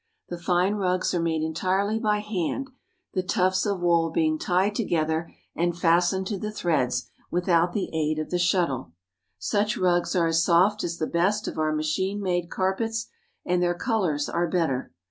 The fine rugs are made entirely by hand, the tufts of wool being tied together and fastened to the threads without the aid of the shuttle. Such rugs are as soft as the best of our machine made carpets, and their colors are better.